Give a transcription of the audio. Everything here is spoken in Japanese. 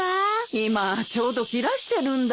今ちょうど切らしてるんだよ。